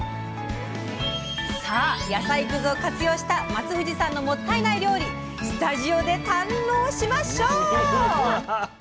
野菜くずを活用した松藤さんのもったいない料理スタジオで堪能しましょう！